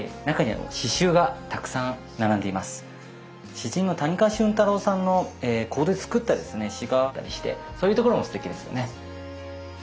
詩人の谷川俊太郎さんのここで作った詩があったりしてそういうところもすてきですよね。